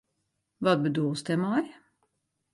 Wat bedoelst dêrmei?